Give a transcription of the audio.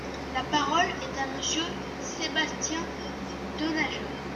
La parole est à Monsieur Sébastien Denaja.